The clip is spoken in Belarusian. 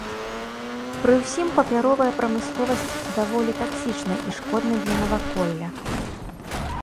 Пры ўсім папяровая прамысловасць даволі таксічнай і шкоднай для наваколля.